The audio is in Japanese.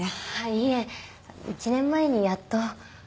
いえ１年前にやっと。